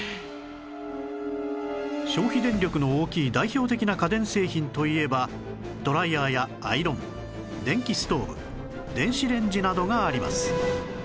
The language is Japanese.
消費電力の大きい代表的な家電製品といえばドライヤーやアイロン電気ストーブ電子レンジなどがあります